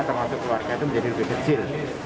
termasuk keluarga itu menjadi lebih kecil